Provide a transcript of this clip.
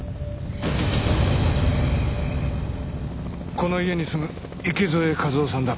この家に住む池添一雄さんだ。